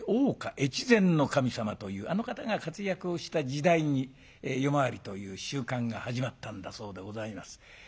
越前守様というあの方が活躍をした時代に夜回りという習慣が始まったんだそうでございます。